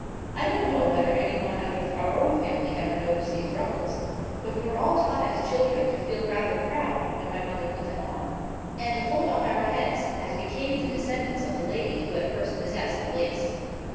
I don't know whether any one out of our own family ever noticed these ruffles,—but we were all taught as children to feel rather proud when my mother put them on, and to hold up our heads as became the descendants of the lady who had first possessed the lace.